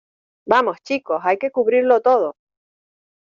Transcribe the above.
¡ vamos, chicos , hay que cubrirlo todo!